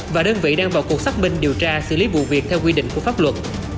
và đơn vị đang vào cuộc xác minh điều tra xử lý vụ việc theo quy định của pháp luật